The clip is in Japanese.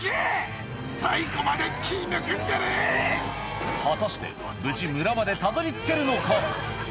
・・最後まで気抜くんじゃねえ・果たして無事村までたどり着けるのか？